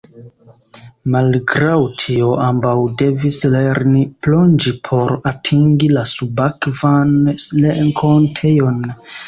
Malgraŭ tio, ambaŭ devis lerni plonĝi por atingi la subakvan renkontejon.